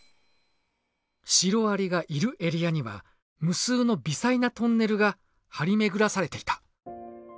シロアリがいるエリアには無数の微細なトンネルが張り巡らされていた。